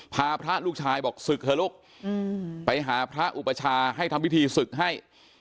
พาพระลูกชายบอกศึกเถอะลูกไปหาพระอุปชาให้ทำพิธีศึกให้